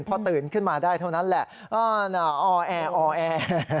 พอตื่นขึ้นมาได้เท่านั้นแหละออแอร์อแอร์